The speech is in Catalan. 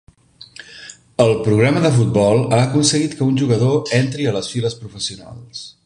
El programa de futbol ha aconseguit que un jugador entri a les files professionals.